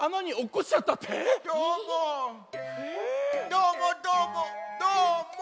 どーもどーもどーも。